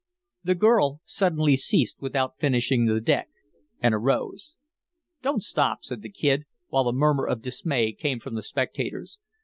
The girl suddenly ceased without finishing the deck, and arose. "Don't stop," said the Kid, while a murmur of dismay came from the spectators.